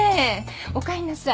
おかえりなさい。